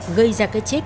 gây ra cái chết